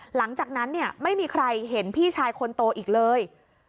หลังจากนั้นเนี่ยไม่มีใครเห็นพี่ชายคนโตอีกเลย